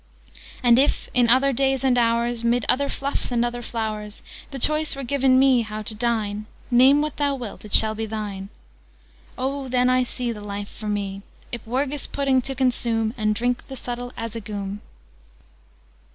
"And if in other days and hours, Mid other fluffs and other flowers, The choice were given me how to dine 'Name what thou wilt: it shalt be thine!' Oh, then I see The life for me Ipwergis Pudding to consume, And drink the subtle Azzigoom!"